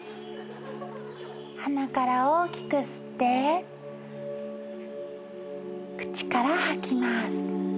鼻から大きく吸って口から吐きます。